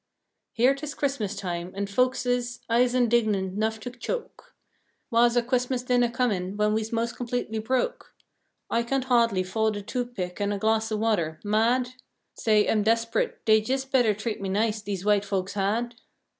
"Here 'tis Christmas time, an', folkses, I's indignant 'nough to choke. Whah's our Christmas dinneh comin' when we's 'mos' completely broke? I can't hahdly 'fo'd a toothpick an' a glass o' water. Mad? Say, I'm desp'ret! Dey jes better treat me nice, dese white folks had!"